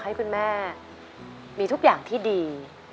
แล้วน้องใบบัวร้องได้หรือว่าร้องผิดครับ